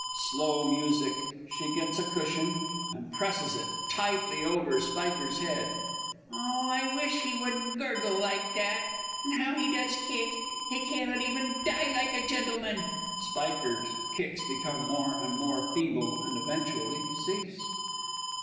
(Slow music. She gets a cushion, and presses it tightly over SPIKER'S head.) Oh, I wish he wouldn't gurgle like that, and how he does kick! He cannot even die like a gentleman! (SPIKER'S _kicks become more and more feeble and eventually cease.